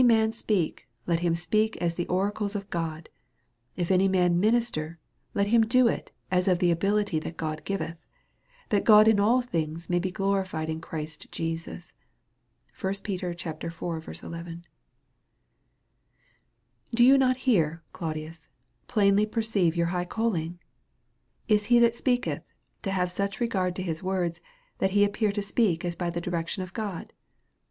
« speak, let him speak as the oracles of God; if any man minister, let him do it as of the ability that God giveth ; that God in all things may be glorified in Christ Jesus. 1 Pet. iv. 11. Do you not here, Claudius, plainly perceive your high calling? Is he that speaketh, to have such re gard to his words, that he appear to speak as by the direction of God?